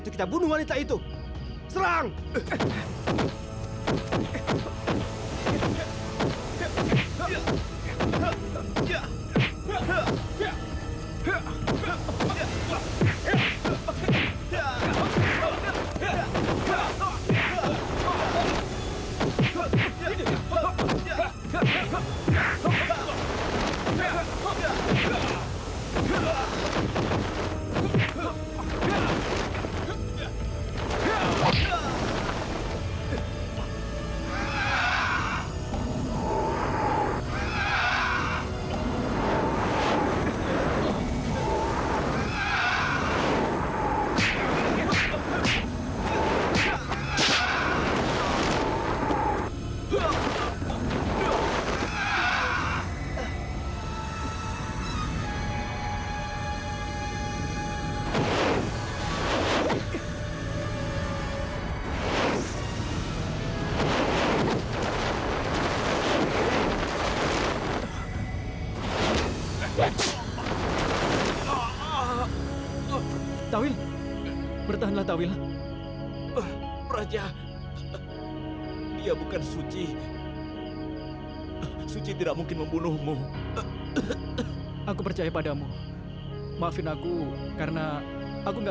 kita harus mengikutinya mungkin dibawa ke telangga